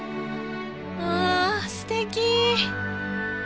あすてき！